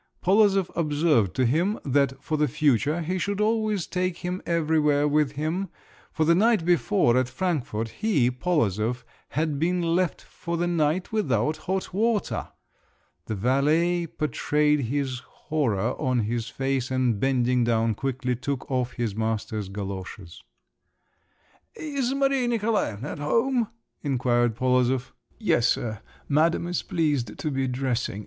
Polozov observed to him that for the future he should always take him everywhere with him, for the night before at Frankfort, he, Polozov, had been left for the night without hot water! The valet portrayed his horror on his face, and bending down quickly, took off his master's goloshes. "Is Maria Nikolaevna at home?" inquired Polozov. "Yes, sir. Madam is pleased to be dressing.